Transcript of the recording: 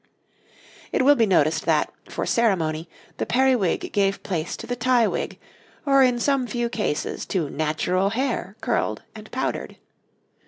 It will be noticed that, for ceremony, the periwig gave place to the tie wig, or, in some few cases, to natural hair curled and powdered.